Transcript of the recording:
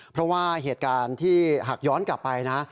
เพราะว่าเหตุการณ์ที่หากย้อนกลับไปนะ